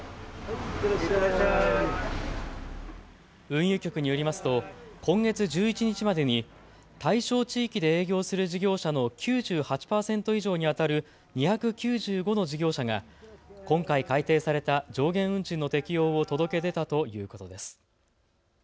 運輸局によりますと今月１１日までに対象地域で営業する事業者の９８％以上にあたる２９５の事業者が今回、改定された上限運賃の適用を届け出たということです。